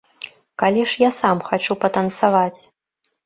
Калі ж я сам хачу патанцаваць.